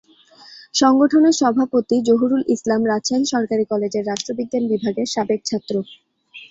সংগঠনের সভাপতি জহুরুল ইসলাম রাজশাহী সরকারি কলেজের রাষ্ট্রবিজ্ঞান বিভাগের সাবেক ছাত্র।